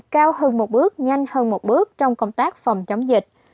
cao hơn một bước nhanh hơn một bước trong công tác phòng chống dịch